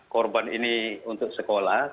korban ini untuk sekolah